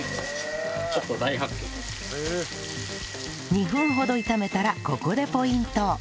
２分ほど炒めたらここでポイント